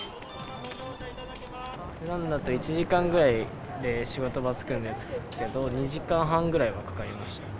ふだんだと１時間ぐらいで仕事場着くんですけど、２時間半ぐらいはかかりましたね。